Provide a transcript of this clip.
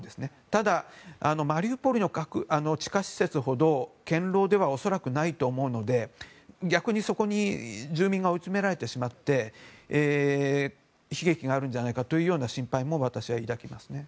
ただ、マリウポリの地下施設ほど堅牢では恐らくないと思うので逆にそこに住民が追い詰められてしまって悲劇があるんじゃないかという心配も私は抱きます。